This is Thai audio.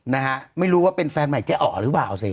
นะฮะไม่รู้ว่าเป็นแฟนใหม่เจ๊อ๋อหรือเปล่าสิ